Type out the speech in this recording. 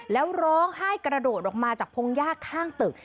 แล้วร้องไห้กระโดดออกมาจากพงยากข้างตึก